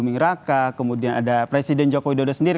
miraka kemudian ada presiden joko widodo sendiri